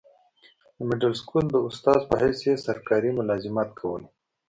دمډل سکول د استاذ پۀ حيث ئي سرکاري ملازمت کولو